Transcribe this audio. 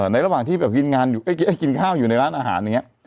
ในระหว่างที่กินข้าวอยู่ในร้านอาหารอย่างนี้